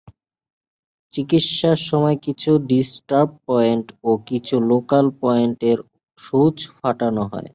চিকিৎসার সময় কিছু ‘ডিস্টার্বড পয়েন্ট’ ও কিছু ‘লোকাল পয়েন্ট’-এর উপর সুচ ফোটানো হয়।